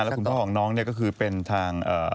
แล้วคุณพ่อของน้องเนี่ยก็คือเป็นทาง